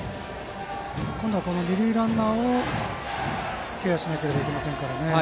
今度は二塁ランナーをケアしなければいけませんからね。